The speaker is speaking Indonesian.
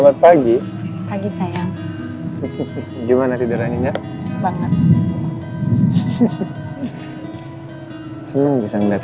apa dia mau sourcesnya ke